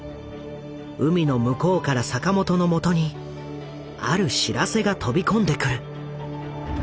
海の向こうから坂本の元にある知らせが飛び込んでくる。